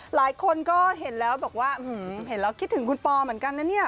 หลายคนก็เห็นแล้วบอกว่าเห็นแล้วคิดถึงคุณปอเหมือนกันนะเนี่ย